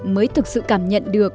mới thực sự cảm nhận